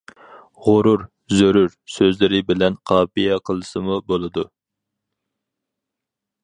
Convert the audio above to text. « غۇرۇر»،« زۆرۈر» سۆزلىرى بىلەن قاپىيە قىلسىمۇ بولىدۇ.